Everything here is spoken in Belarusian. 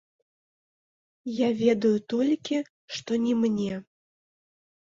Я ведаю толькі, што не мне.